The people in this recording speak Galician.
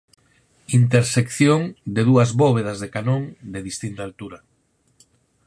Intersección de dúas bóvedas de canón de distinta altura.